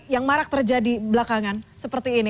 yang marak terjadi belakangan seperti ini